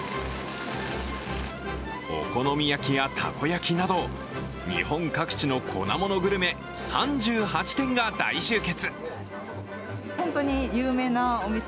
お好み焼きやたこ焼きなど日本各地の粉ものグルメ３８店が大集結。